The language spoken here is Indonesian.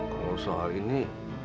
kalau soal ini